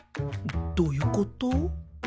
どういうこと？